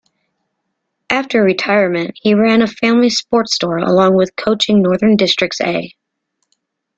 After retirement he ran a family sports store along with coaching Northern Districts A.